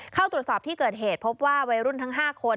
เข้าตรวจสอบที่เกิดเหตุพบว่าวัยรุ่นทั้ง๕คน